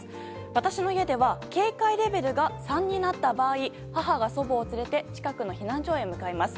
私の家では警戒レベルが３になった場合母が祖母を連れて近くの避難所へ向かいます。